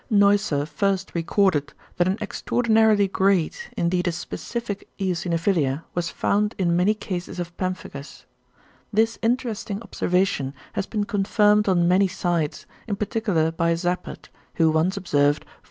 = Neusser first recorded that an extraordinarily great, indeed a specific eosinophilia was found in many cases of pemphigus. This interesting observation has been confirmed on many sides, in particular by Zappert, who once observed 4800 oxyphil per mm.